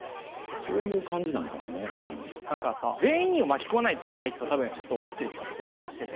何かさ全員を巻き込まないといけないと多分ちょっと思っちゃってる気がしてて。